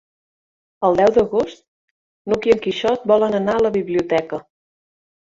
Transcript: El deu d'agost n'Hug i en Quixot volen anar a la biblioteca.